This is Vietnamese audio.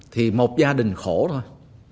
thì một gia đình khổ thôi